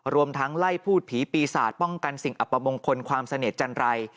รวมทั้งไล่พูดผีปีศาจป้องกันสิ่งอัปมงคลความเสน่ห์จันรัย